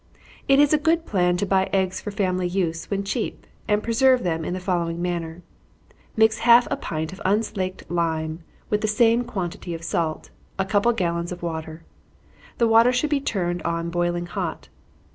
_ It is a good plan to buy eggs for family use when cheap, and preserve them in the following manner: Mix half a pint of unslaked lime with the same quantity of salt, a couple of gallons of water. The water should be turned on boiling hot.